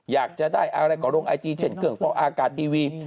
อยากจะได้อะไรกว่าลงไอจีเช่นเกือบของอากาศทีวี